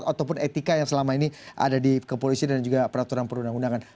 ataupun etika yang selama ini ada di kepolisian dan juga peraturan perundang undangan